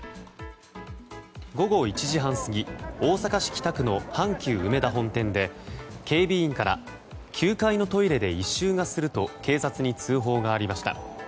午後１時半過ぎ大阪市北区の阪急うめだ本店で警備員から９階のトイレで異臭がすると警察に通報がありました。